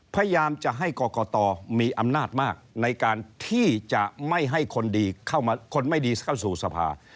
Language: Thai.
พยายามจะให้กรกตมีอำนาจมากในการที่จะไม่ให้คนดีเข้ามาคนไม่ดีเข้าสู่สภา